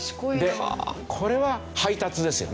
でこれは配達ですよね。